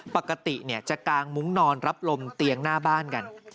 ปกติจะกางมุ้งนอนรับลมเตียงหน้าบ้านกัน